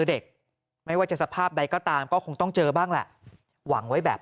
เด็กไม่ว่าจะสภาพใดก็ตามก็คงต้องเจอบ้างแหละหวังไว้แบบ